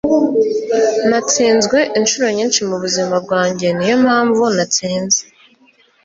Natsinzwe inshuro nyinshi mubuzima bwanjye. Niyo mpamvu natsinze. ”